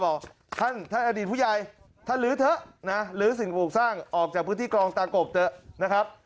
ท่านท่านอดีตผู้ใหญ่ท่านลื้อเถอะนะลื้อสิ่งปลูกสร้างออกจากพื้นที่กรองตากบเถอะนะครับ